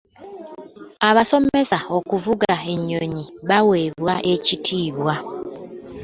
Abasoma okuvuga ennyonyi baweebwa ekitiibwa.